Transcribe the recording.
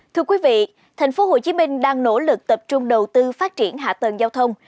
thưa quý vị thành phố hồ chí minh đang nỗ lực tập trung đầu tư phát triển hạ tầng giao thông